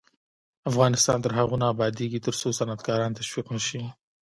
افغانستان تر هغو نه ابادیږي، ترڅو صنعتکاران تشویق نشي.